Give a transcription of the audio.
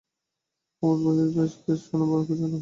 কুমুদ বলিল, বেশ বেশ, শুনে বড় সুখী হলাম।